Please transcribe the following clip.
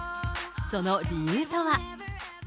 その理由とは。